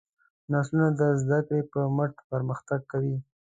نسلونه د زدهکړې په مټ پرمختګ کوي.